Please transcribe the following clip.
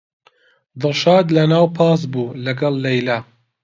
دڵشاد لەناو پاس بوو لەگەڵ لەیلا.